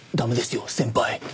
先輩。